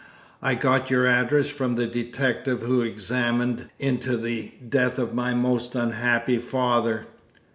I got your address from the detective who examined into the death of my most unhappy father."